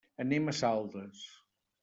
Anem a Saldes.